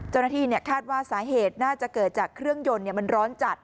เจ้าหน้าที่คาดว่าสาเหตุน่าจะเกิดจากเครื่องยนต์มันร้อนจัด